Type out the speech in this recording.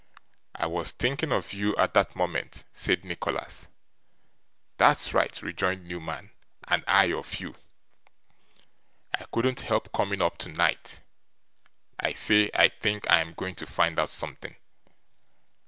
'I was thinking of you, at that moment,' said Nicholas. 'That's right,' rejoined Newman, 'and I of you. I couldn't help coming up, tonight. I say, I think I am going to find out something.